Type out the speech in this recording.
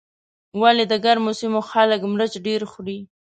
ولې د ګرمو سیمو خلک مرچ ډېر خوري.